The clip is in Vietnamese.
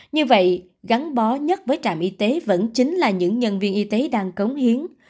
như vậy gắn bó nhất với trạm y tế vẫn chính là những nhân viên y tế đang cống hiến